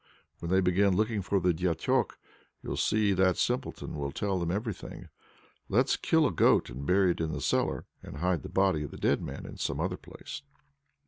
When they begin looking for the Diachok, you'll see that Simpleton will tell them everything. Let's kill a goat and bury it in the cellar, and hide the body of the dead man in some other place."